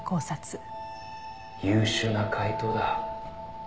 「優秀な解答だ」